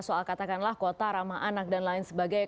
soal katakanlah kota ramah anak dan lain sebagainya